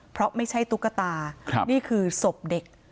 เพราะไม่ใช่ตุ๊กตานี่คือศพเด็ก